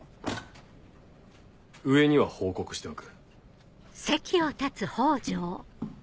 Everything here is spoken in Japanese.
上には報告しておく。